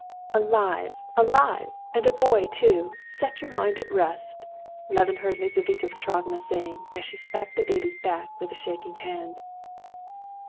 "Alive! alive! And a boy too! Set your mind at rest!" Levin heard Lizaveta Petrovna saying, as she slapped the baby's back with a shaking hand.